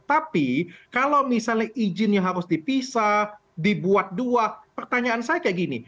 tapi kalau misalnya izinnya harus dipisah dibuat dua pertanyaan saya kayak gini